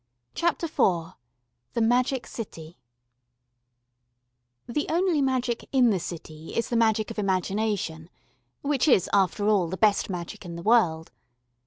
CHAPTER IV The Magic City THE only magic in the city is the magic of imagination, which is, after all, the best magic in the world.